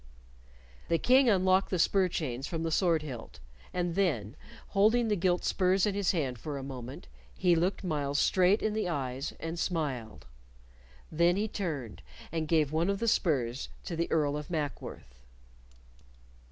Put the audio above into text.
The King unlocked the spur chains from the sword hilt, and then, holding the gilt spurs in his hand for a moment, he looked Myles straight in the eyes and smiled. Then he turned, and gave one of the spurs to the Earl of Mackworth.